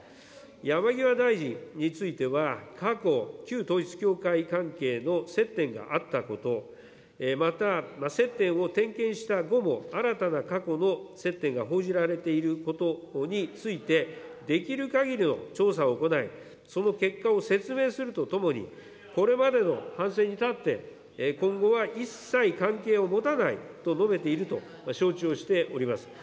山際大臣については、過去、旧統一教会関係の接点があったこと、また、接点を点検した後も新たな過去の接点が報じられていることについて、できるかぎりの調査を行い、その結果を説明するとともに、これまでの反省に立って、今後は一切関係を持たないと述べていると承知をしております。